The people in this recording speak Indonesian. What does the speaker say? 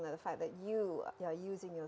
faktanya anda menggunakan diri anda